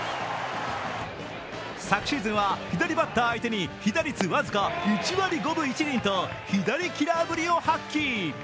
昨シーズンは左バッター相手に被打率僅か１割５分１厘と左キラーぶりを発揮。